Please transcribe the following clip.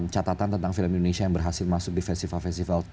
catatan tentang film indonesia yang berhasil masuk di festival festival